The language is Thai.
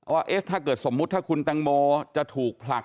ว่าถ้าเกิดสมมุติถ้าคุณแตงโมจะถูกผลัก